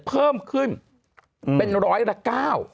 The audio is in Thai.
เพิ่มขึ้นเป็น๑๐๐ละ๙